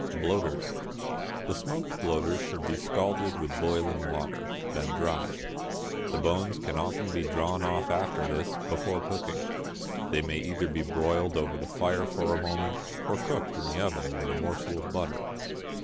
=Bloaters.= The smoked bloaters should be scalded with boiling water, then dried. The bones can often be drawn off after this, before cooking. They may either be broiled over the fire for a moment, or cooked in the oven with a morsel of butter.